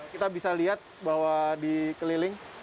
kita bisa lihat bahwa dikeliling